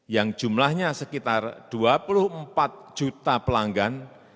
yang jumlahnya sekitar dua puluh empat juta pelanggan